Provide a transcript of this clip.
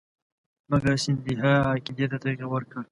مګر سیندهیا عقیدې ته تغیر ورکړ.